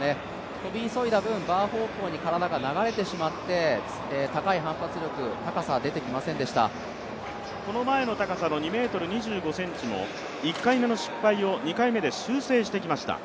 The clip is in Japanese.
飛び急いだ分、バー方向に体が流れてしまってこの前の高さの２ｍ２５ｃｍも１回目の失敗を２回目で修正してきました。